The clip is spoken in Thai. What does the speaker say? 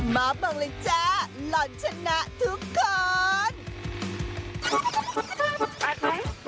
มาบอกเลยจ้าหล่อนชนะทุกคน